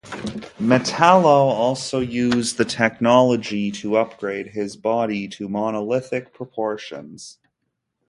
Metallo also used the technology to upgrade his body to monolithic proportions.